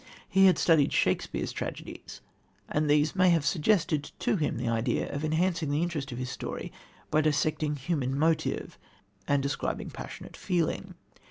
He had studied Shakespeare's tragedies, and these may have suggested to him the idea of enhancing the interest of his story by dissecting human motive and describing passionate feeling.